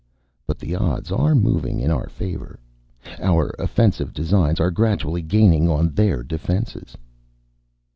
"But the odds are moving in our favor. Our offensive designs are gradually gaining on their defenses."